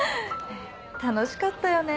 楽しかったよね